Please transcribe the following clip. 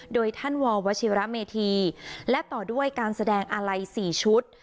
โดยท่านววชิระเมธีและต่อด้วยการแสดงอาลัย๔ชุด